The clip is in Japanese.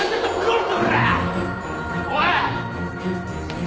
おい！